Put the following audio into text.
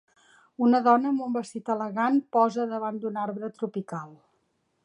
Una dona amb un vestit elegant posa davant d'un arbre tropical.